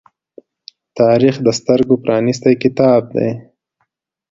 تاریخ د سترگو پرانیستی کتاب دی.